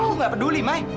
aku nggak peduli mai